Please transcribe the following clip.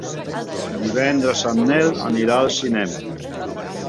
Divendres en Nel anirà al cinema.